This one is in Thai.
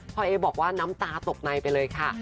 พ่อเอคก็บอกว่าหน้าตาเราตกในไปเลยค่ะ